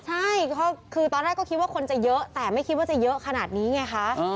ใช่ก็คือตอนแรกก็คิดว่าคนจะเยอะแต่ไม่คิดว่าจะเยอะขนาดนี้ไงคะ